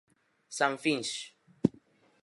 San Finx.